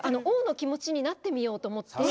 王の気持ちになってみようと思って。